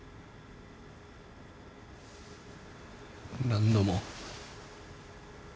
何度も。